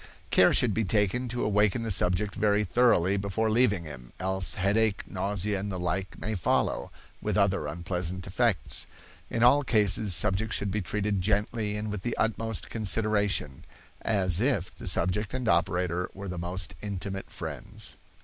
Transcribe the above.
Care should be taken to awaken the subject very thoroughly before leaving him, else headache, nausea, or the like may follow, with other unpleasant effects. In all cases subjects should be treated gently and with the utmost consideration, as if the subject and operator were the most intimate friends.